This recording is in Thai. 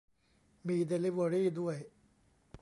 มีเดลิเวอรี่ด้วย